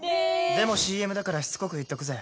でもＣＭだからしつこく言っとくぜ！